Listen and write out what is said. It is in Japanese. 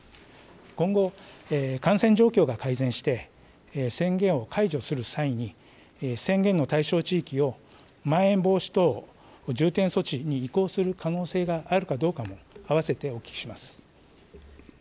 今後、感染状況が改善して、宣言を介助する際に宣言の対象地域をまん延防止等重点措置に移行する可能性があるかどうかも併せてお聞きします。